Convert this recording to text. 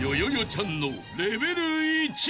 ちゃんのレベル１］